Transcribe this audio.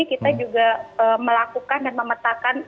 kita juga melakukan dan memetakan